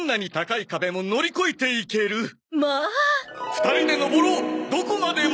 ２人で登ろうどこまでも！